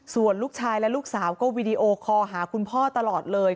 ส่วนลูกชายและลูกสาวก็วีดีโอคอหาคุณพ่อตลอดเลย